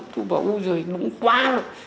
tôi bảo ui giời nóng quá rồi